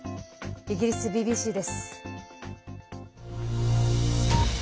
イギリスＢＢＣです。